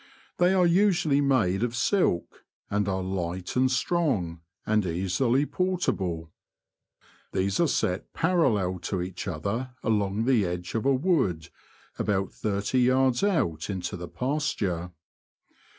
They are usually made of silk, and are light and strong, and easily portable. These are set parallel to each other along the edge of a wood, about thirty 130 The Confessions of a T^oacher, yards out into the pasture.